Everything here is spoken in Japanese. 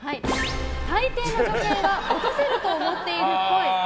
大抵の女性は落とせると思っているっぽい。